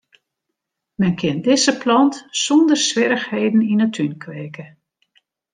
Men kin dizze plant sonder swierrichheden yn 'e tún kweke.